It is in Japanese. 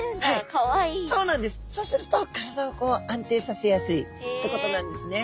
そうすると体をこう安定させやすいってことなんですね。